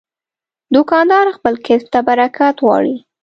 دوکاندار خپل کسب ته برکت غواړي.